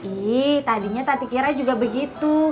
ih tadinya tati kira juga begitu